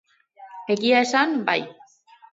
Egia esan, bai.